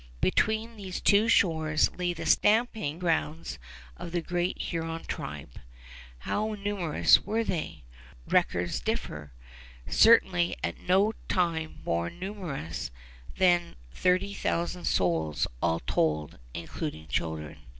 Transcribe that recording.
Between these two shores lay the stamping grounds of the great Huron tribe. How numerous were they? Records differ. Certainly at no time more numerous than thirty thousand souls all told, including children.